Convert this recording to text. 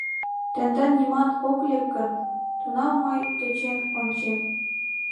Тендан нимат ок лек гын, тунам мый тӧчен ончем...